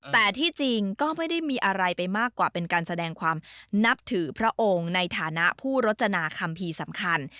แต่ที่จริงก็ไม่ได้มีอะไรไปมากกว่าเป็นการแสดงความนับถือพระองค์ในฐานะผู้รจนาคัมภีร์สำคัญ